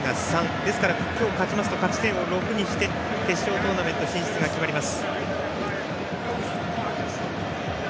ですから今日、勝ちますと勝ち点を６にして決勝トーナメント進出が決まります。